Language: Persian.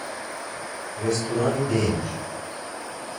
رستوران دنج